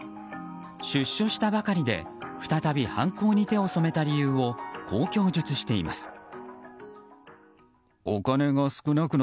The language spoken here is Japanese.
出所したばかりで再び犯行に手を染めた理由をこう供述しています。